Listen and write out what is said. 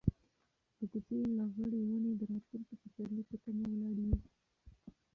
د کوڅې لغړې ونې د راتلونکي پسرلي په تمه ولاړې دي.